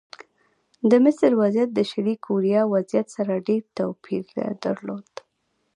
د مصر وضعیت د شلي کوریا وضعیت سره ډېر توپیر درلود.